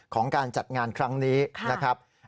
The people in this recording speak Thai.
ของการจัดงานครั้งนี้นะครับ